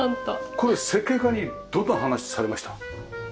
これ設計家にどんな話されました？